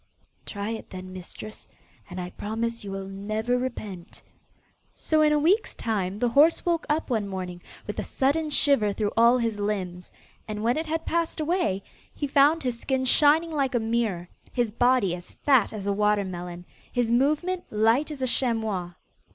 'Try it then, mistress, and I promise you will never repent.' So in a week's time the horse woke up one morning with a sudden shiver through all his limbs; and when it had passed away, he found his skin shining like a mirror, his body as fat as a water melon, his movement light as a chamois.